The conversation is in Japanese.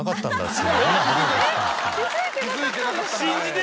気付いてなかった。